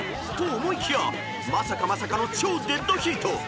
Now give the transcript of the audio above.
［と思いきやまさかまさかの超デッドヒート］